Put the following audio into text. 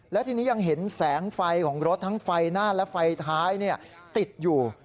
และทีนี้ยังเห็นแสงไฟของรถทั้งไฟหน้าและไฟท้ายติดอยู่